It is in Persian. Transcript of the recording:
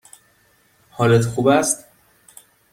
حالت خوب است؟